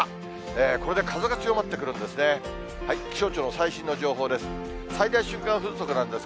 これで風が強まってくるんですね。